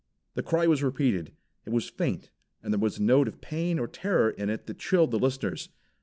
The cry was repeated. It was faint, and there was a note of pain or terror in it that chilled the listeners.